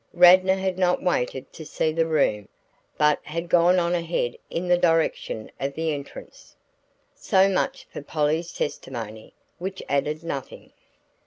Radnor had not waited to see the room, but had gone on ahead in the direction of the entrance.'" So much for Polly's testimony which added nothing.